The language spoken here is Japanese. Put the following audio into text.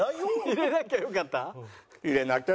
入れなきゃよかった。